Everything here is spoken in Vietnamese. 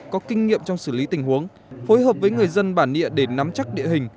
có kinh nghiệm trong xử lý tình huống phối hợp với người dân bản địa để nắm chắc địa hình